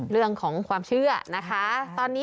เรื่องของความเชื่อนะคะ